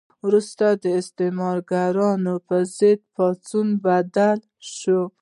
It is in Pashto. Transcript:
وروسته د استثمارګرانو په ضد پاڅون بدل شو.